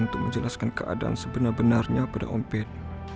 untuk menjelaskan keadaan sebenar benarnya pada om pen